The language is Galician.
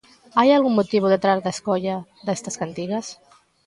Hai algún motivo detrás da escolla destas cantigas?